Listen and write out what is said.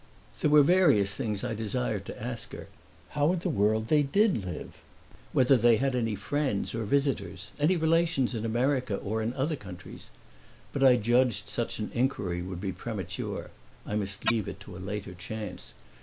There were various things I desired to ask her: how in the world they did live; whether they had any friends or visitors, any relations in America or in other countries. But I judged such an inquiry would be premature; I must leave it to a later chance.